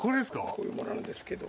こういうものなんですけど。